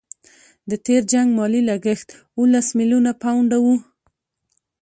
د تېر جنګ مالي لګښت اوولس میلیونه پونډه وو.